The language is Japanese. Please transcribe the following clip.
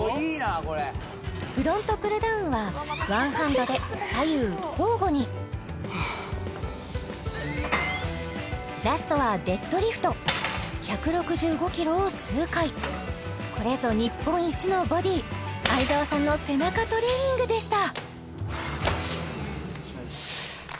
フロントプルダウンはワンハンドで左右交互にラストは１６５ｋｇを数回これぞ日本一のボディ相澤さんの背中トレーニングでした